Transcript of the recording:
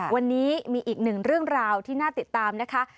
วันนี้มีอีกหนึ่งเรื่องราวที่น่าติดตามนะคะ